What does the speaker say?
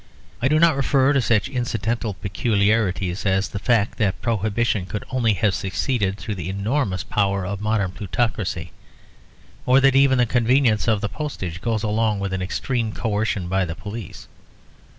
I do not refer to such incidental peculiarities as the fact that Prohibition could only have succeeded through the enormous power of modern plutocracy, or that even the convenience of the postage goes along with an extreme coercion by the police.